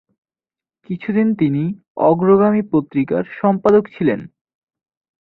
কিছুদিন তিনি "অগ্রগামী" পত্রিকার সম্পাদক ছিলেন।